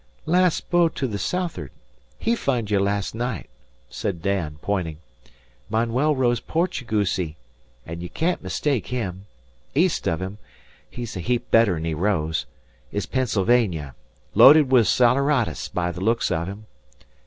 "Last boat to the south'ard. He fund you last night," said Dan, pointing. "Manuel rows Portugoosey; ye can't mistake him. East o' him he's a heap better'n he rows is Pennsylvania. Loaded with saleratus, by the looks of him.